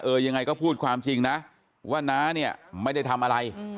ยังไงก็พูดความจริงนะว่าน้าเนี่ยไม่ได้ทำอะไร